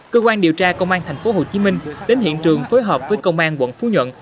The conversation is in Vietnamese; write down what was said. cơ quan điều tra công an tp hcm đến hiện trường phối hợp với công an quận phú nhuận